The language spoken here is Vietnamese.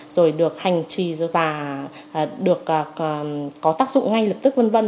rồi được hành trì và được có tác dụng ngay lập tức vân vân